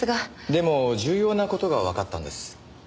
でも重要な事がわかったんです。